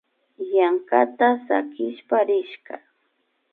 Yankata sakishpa rishka